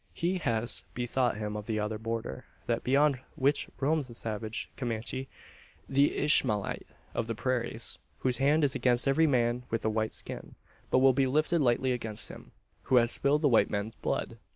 He has bethought him of the other border that beyond which roams the savage Comanche the Ishmaelite of the prairies whose hand is against every man with a white skin; but will be lifted lightly against him, who has spilled the white man's blood!